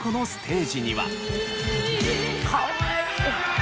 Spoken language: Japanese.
かわいい！